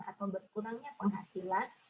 atau berkurangnya penghasilan